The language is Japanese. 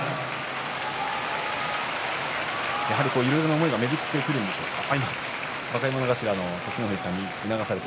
やはりいろいろな思いが巡ってくるんでしょうかね。